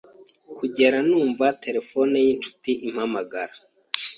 kugera numva telephone y’inshuti impamagara